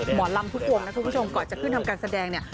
หมอลำทุกวงนะคุณผู้ชมก่อนจะขึ้นทำการแสดงเนี่ย